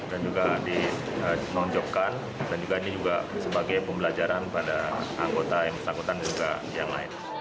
dan juga di nunjukkan dan juga ini juga sebagai pembelajaran pada anggota yang disangkutan di bandung